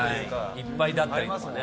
いっぱいだったりとかね。